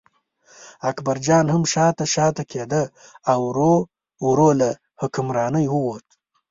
اکبرجان هم شاته شاته کېده او ورو ورو له حکمرانۍ ووتل.